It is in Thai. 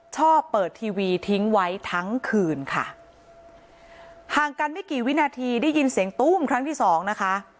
ชอบเปิดทีวีทิ้งไว้ทั้งคืนค่ะห่างกันไม่กี่วินาทีได้ยินเสียงตู้มครั้งที่สองนะคะ